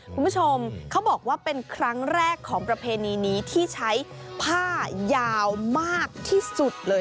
คุณผู้ชมเขาบอกว่าเป็นครั้งแรกของประเพณีนี้ที่ใช้ผ้ายาวมากที่สุดเลย